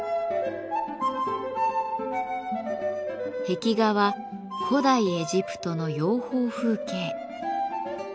壁画は古代エジプトの養蜂風景。